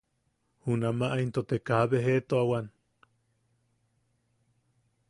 Junamaʼa into te kaa bejeʼetuawan.